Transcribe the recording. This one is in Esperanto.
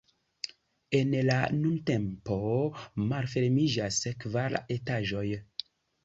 En la nuntempo malfermiĝas kvar etaĝoj.